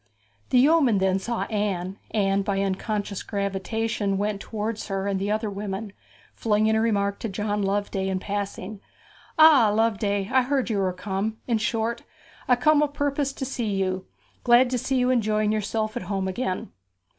The yeoman then saw Anne, and by an unconscious gravitation went towards her and the other women, flinging a remark to John Loveday in passing. 'Ah, Loveday! I heard you were come; in short, I come o' purpose to see you. Glad to see you enjoying yourself at home again.'